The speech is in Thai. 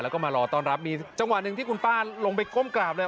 แล้วก็มารอต้อนรับมีจังหวะหนึ่งที่คุณป้าลงไปก้มกราบเลย